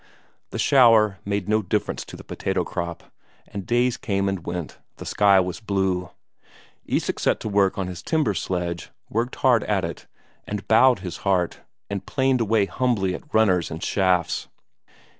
The shower made no difference to the potato crop, and days came and went; the sky was blue. Isak set to work on his timber sledge, worked hard at it, and bowed his heart, and planed away humbly at runners and shafts.